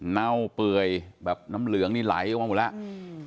เน่าเปื่อยแบบน้ำเหลืองนี่ไหลออกมาหมดแล้วอืม